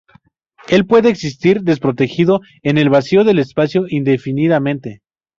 Él puede existir desprotegido en el vacío del espacio indefinidamente.